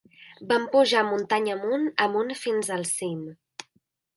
Van pujar muntanya amunt, amunt fins al cim